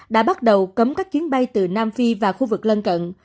đã bắt đầu cấm các chuyến bay từ nam phi và khu vực lân cận